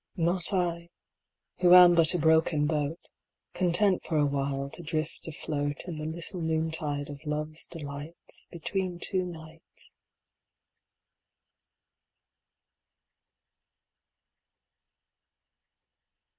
Not I, who am but a broken boat, Content for awhile to drift afloat In the little noontide of love's delights Between two Nights.